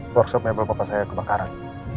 workshop mebel bapak saya kebakaran